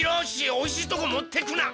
おいしいとこ持ってくな！